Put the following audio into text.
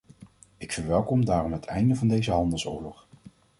Ik verwelkom daarom het einde van deze handelsoorlog.